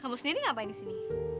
kamu sendiri ngapain disini